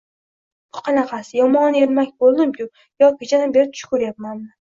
Bu qanaqasi? Yomon ermak bo‘ldim-ku! Yo kechadan beri tush ko‘ryapmanmi?